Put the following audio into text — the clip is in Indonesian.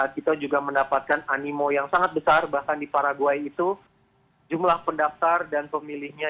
kita juga mendapatkan animo yang sangat besar bahkan di paraguay itu jumlah pendaftar dan pemilihnya